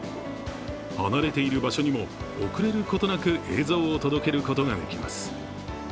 離れている場所にも遅れることなく映像を届けることができます。